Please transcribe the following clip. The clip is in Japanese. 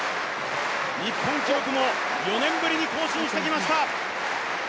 日本記録も４年ぶりに更新してきました。